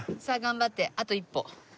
さあ頑張ってあと１歩。